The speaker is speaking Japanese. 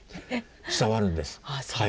伝わるんです。